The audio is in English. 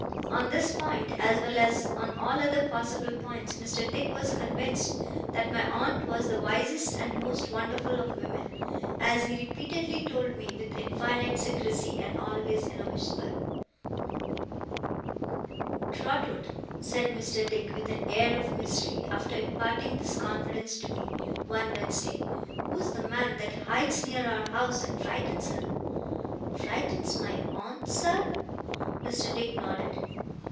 On this point, as well as on all other possible points, Mr. Dick was convinced that my aunt was the wisest and most wonderful of women; as he repeatedly told me with infinite secrecy, and always in a whisper. 'Trotwood,' said Mr. Dick, with an air of mystery, after imparting this confidence to me, one Wednesday; 'who's the man that hides near our house and frightens her?' 'Frightens my aunt, sir?' Mr. Dick nodded.